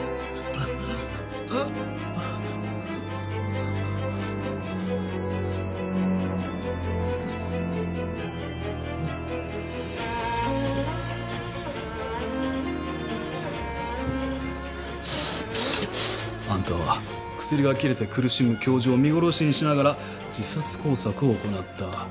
ああっあんたは薬が切れて苦しむ教授を見殺しにしながら自殺工作を行った。